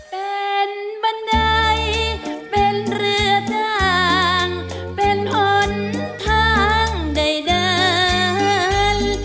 เป็นบันไดเป็นเรือจ้างเป็นหนทางใดเดิน